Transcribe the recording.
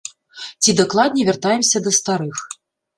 Ці, дакладней, вяртаемся да старых.